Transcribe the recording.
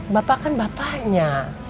bapak kan bapaknya